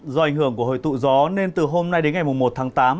do ảnh hưởng của hồi tụ gió nên từ hôm nay đến ngày một tháng tám